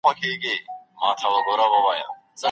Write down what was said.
ما خپل ورور ته د پیاده تګ وړاندیز وکړ.